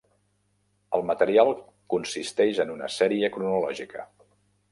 El material consisteix en una sèrie cronològica.